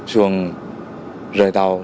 xuồng rời tàu